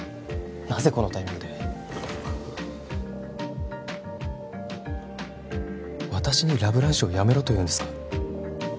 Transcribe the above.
なぜこのタイミングで私にラ・ブランシュを辞めろというんですか？